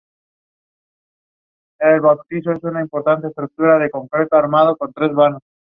El rey Robert Baratheon acudió con innumerables naves e invadió las Islas del Hierro.